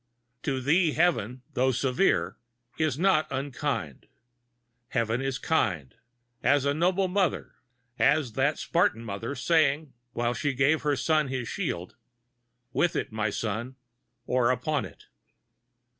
To thee Heaven, though severe, is not unkind; Heaven is kind—as a noble mother; as that Spartan mother, saying, while she gave her son his shield, "With it, my son, or upon it!"